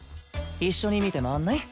一緒に見て回らない？